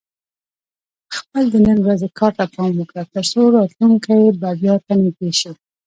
خپل د نن ورځې کار ته پام وکړه، ترڅو راتلونکې بریا ته نږدې شې.